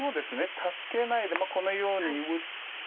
助けないでこのように打って。